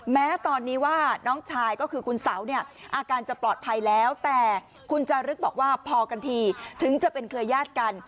แม้ตอนนี้ว่าน้องชายก็คือคุณเสาเนี่ยอาการจะปลอดภัยแล้วแต่คุณจารึกบอกว่าพอกันทีถึงจะเป็นเครือยาศกัน